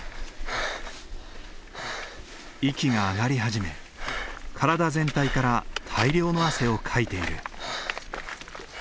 息があがり始め体全体から大量の汗をかいている。